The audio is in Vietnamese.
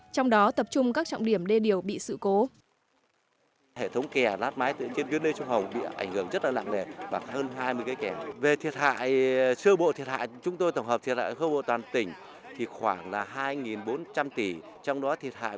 trong đó tập trung các trọng điểm đê điều bị sự cố